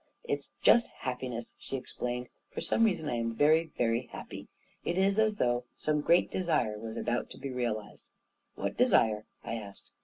" It is just happiness," she explained. " For some reason, I am very, very happy. It is as though some great desire was about to be realized." "What desire? "I asked.